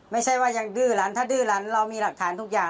ไม่ใช่ว่ายังดื้อหลานถ้าดื้อหลานเรามีหลักฐานทุกอย่าง